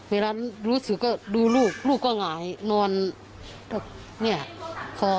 เวลารู้สึกก่อดูลูกลูกก็อ่ายนอนนี่โคตร